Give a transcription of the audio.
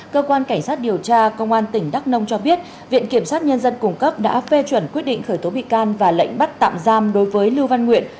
cơ quan cảnh sát điều tra công an tỉnh đắk nông cho biết viện kiểm sát nhân dân cung cấp đã phê chuẩn quyết định khởi tố bị can và lệnh bắt tạm giam đối với lưu văn nguyện